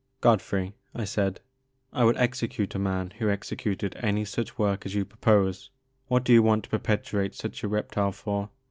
Godfrey," I said, I would execute a man who executed any such work as you propose. What do you want to perpetuate such a reptile for